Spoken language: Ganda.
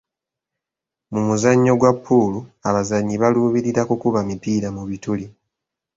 Mu muzannyo gwa puulu, abazannyi baluubirira kukuba mipiira mu bituli.